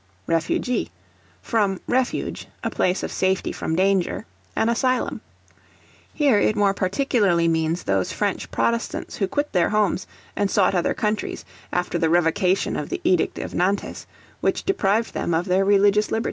Refugee, from refuge, a place of safety from danger; an asylum. Here it more particularly means those French Protestants who quit their homes and sought other countries, after the revocation of the Edict of Nantes, which deprived them of their religious liberty.